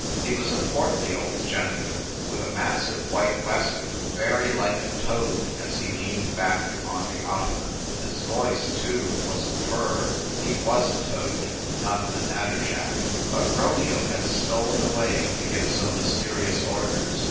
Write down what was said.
He was a portly old gentleman with a massive white waistcoat, very like a toad as he leaned back on the ottoman. His voice, too, was a purr; he was a toad, not a natter jack. But Romeo had stolen away to give some mysterious orders.